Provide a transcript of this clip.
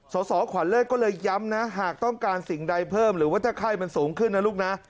สสขวัญเลิศก็เลยย้ำนะหากต้องการสิ่งใดเพิ่มหรือว่าถ้าไข้มันสูงขึ้นนะลูกนะ